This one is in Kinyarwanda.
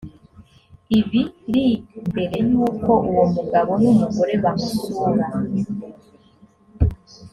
ibiri mbere y uko uwo mugabo n umugore bamusura